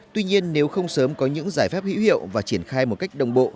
tuy nhiên nếu không sớm có những giải pháp hữu hiệu và triển khai một cách đồng bộ